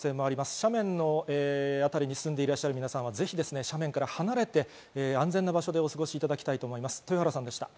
斜面の辺りに住んでいらっしゃる皆さんは斜面から離れて安全な場所でお過ごしいただきたいと思います。